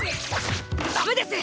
ダメです！